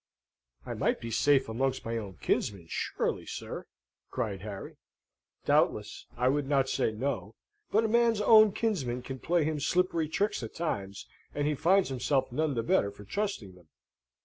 "I might be safe amongst my own kinsmen, surely, sir!" cried Harry. "Doubtless. I would not say no. But a man's own kinsmen can play him slippery tricks at times, and he finds himself none the better for trusting them.